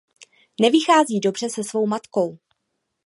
Nevychází dobře se svou matkou.